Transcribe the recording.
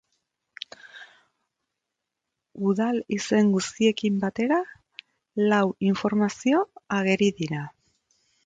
Udal izen guztiekin batera, lau informazio ageri dira.